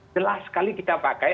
jelas sekali kita pakai